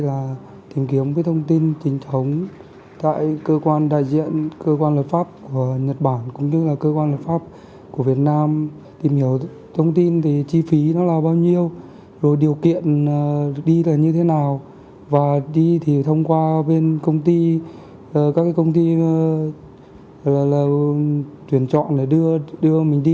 anh nguyễn minh thịnh ở hà tĩnh